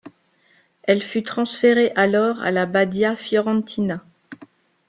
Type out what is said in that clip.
Elle fut transférée alors à la Badia Fiorentina.